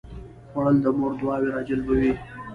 خوړل د مور دعاوې راجلبوي